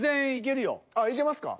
あっいけますか？